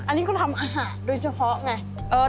อันนี้เขาทำอาหารโดยเฉพาะไง